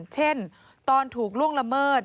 เช่นตอนถูกล่วงละเมิด